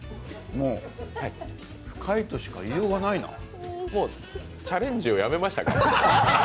もう、深いとしか言いようがないなチャレンジをやめましたか？